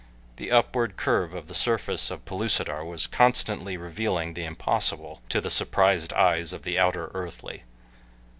The upward curve of the surface of Pellucidar was constantly revealing the impossible to the surprised eyes of the outer earthly.